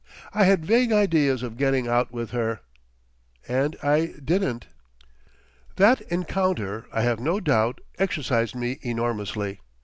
I had vague ideas of getting out with her—and I didn't. That encounter, I have no doubt, exercised me enormously.